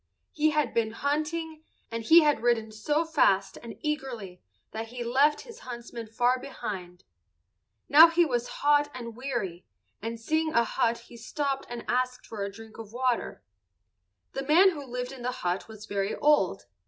He had been hunting, and he had ridden so fast and eagerly that he had left his huntsmen far behind. Now he was hot and weary, and seeing a hut he stopped and asked for a drink of water. The man who lived in the hut was very old.